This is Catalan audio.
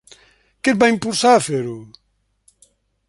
Què et va impulsar a fer-ho?